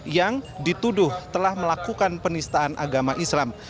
yang dituduh telah melakukan penistaan agama islam